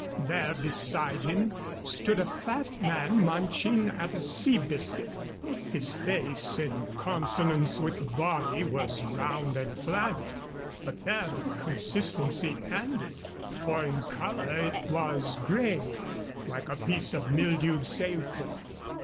There, beside him, stood a fat man munching at a sea biscuit. His face, in consonance with the body, was round and flabby, but there the consistency ended, for in color it was gray, like a piece of mildewed sail cloth.